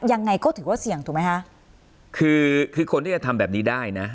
ยังไงก็ถือว่าเสี่ยงถูกไหมคะคือคือคนที่จะทำแบบนี้ได้นะ